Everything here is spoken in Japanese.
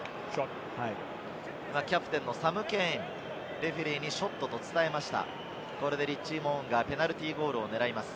キャプテンのサム・ケイン、レフェリーにショットと伝えました。